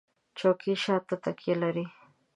چوکۍ شاته تکیه لري.